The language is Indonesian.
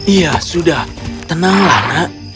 ya sudah tenanglah nak